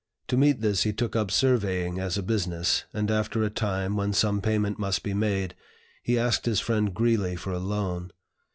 To meet this he took up surveying as a business, and after a time, when some payment must be made, he asked his friend Greeley for a loan.